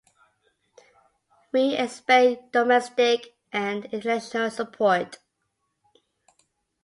We expect domestic and international support.